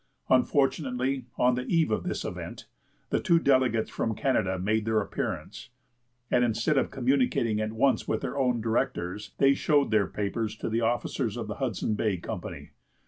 Unfortunately, on the eve of this event, the two delegates from Canada made their appearance, and instead of communicating at once with their own directors, they showed their papers to the officers of the Hudson Bay Company.